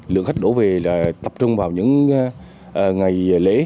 lượng khách đổ về là tập trung vào những ngày lễ